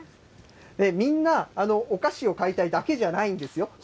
みんな、お菓子を買いたいだけじゃないんですよ。